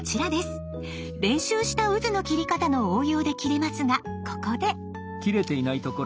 練習したうずの切り方の応用で切れますがここで。